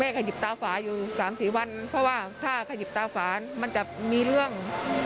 ขยิบตาฝาอยู่๓๔วันเพราะว่าถ้าขยิบตาฝามันจะมีเรื่อง